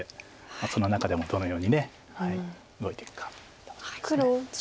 その中でもどのように動いていくかだと思います。